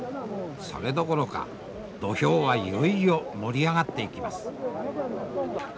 それどころか土俵はいよいよ盛り上がっていきます。